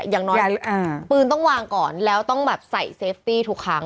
อย่างน้อยปืนต้องวางก่อนแล้วต้องแบบใส่เซฟตี้ทุกครั้ง